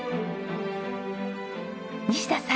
西田さん！